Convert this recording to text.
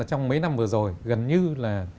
trong mấy năm vừa rồi gần như là